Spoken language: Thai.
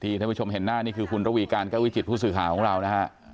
ท่านผู้ชมเห็นหน้านี่คือคุณระวีการแก้ววิจิตผู้สื่อข่าวของเรานะฮะ